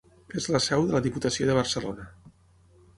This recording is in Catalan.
És la seu de la Diputació de Barcelona.